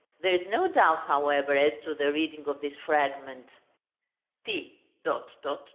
There is no doubt, however, as to the reading of this fragment: "T